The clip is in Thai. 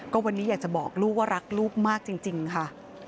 วันนี้อยากจะบอกลูกว่ารักลูกมากจริงค่ะ